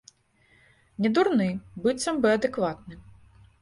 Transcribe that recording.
Недурны, быццам бы, адэкватны.